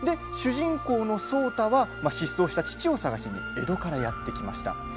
主人公の壮多は失踪した父を探しに江戸からやって来ました。